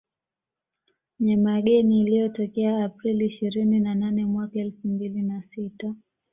Nyamageni iliyotokea Aprili ishirini na nane mwaka elfu mbili na sita